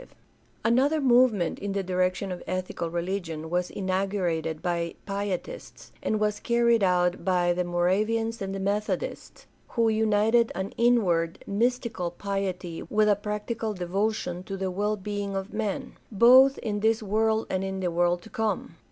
THE DEVELOPMENT OF MODERN CHRISTIANITY 471 Another movement in the direction of ethical religion was inaugurated by the Pietists, and was carried out by the Moravians and the Methodists, who united an inward, mystical piety with a practical devotion to the well being of men, both in this world and in the world to come.